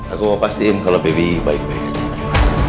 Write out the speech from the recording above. aku mau pastiin kalau baby baik baik aja